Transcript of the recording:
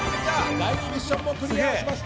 第２ミッションもクリアしました。